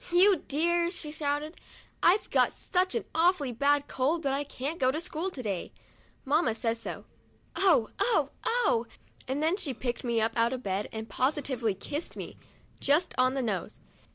" You dears !" she shouted, " I've got such an awfully bad cold that I can't go to school to day. Mamma says so. Oh — oh — oh !' and then she picked me up out of the bed and positively kissed me, just on the nose.